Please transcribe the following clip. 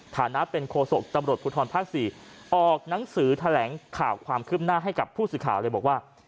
ฐานะเป็นโคศกตำรวจภูทรภาค๔ออกหนังสือแถลงข่าวความคืบหน้าให้กับผู้สื่อข่าวเลยบอกว่า